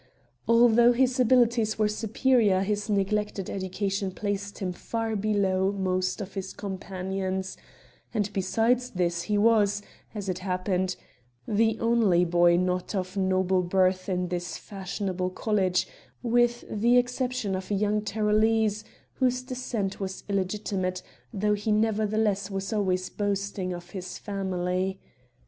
Although his abilities were superior his neglected education placed him far below most of his companions, and besides this he was, as it happened, the only boy not of noble birth in this fashionable college, with the exception of a young Tyrolese whose descent was illegitimate, though he nevertheless was always boasting of his family.